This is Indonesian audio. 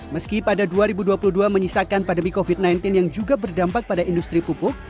meski pada dua ribu dua puluh dua menyisakan pandemi covid sembilan belas yang juga berdampak pada industri pupuk